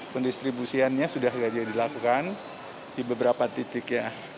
pendistribusiannya sudah tidak dilakukan di beberapa titik ya